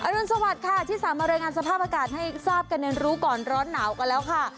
รุนสวัสดิ์ค่ะที่สามารถรายงานสภาพอากาศให้ทราบกันในรู้ก่อนร้อนหนาวกันแล้วค่ะ